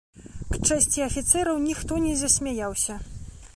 К чэсці афіцэраў, ніхто не засмяяўся.